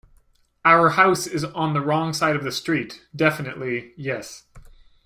Our house is on the wrong side of the street — definitely — yes.